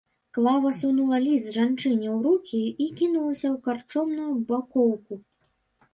Клава сунула ліст жанчыне ў рукі і кінулася ў карчомную бакоўку.